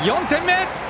４点目！